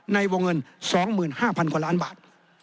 ในวงเงินสองหมื่นห้าพันกว่าล้านบาท